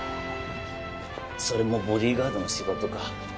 それもボディーガードの仕事か。